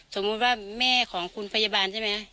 สมมุติว่าแม่ของคุณพยาบาลใช่ไหม